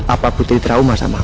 apa putri trauma sama